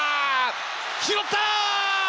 拾った！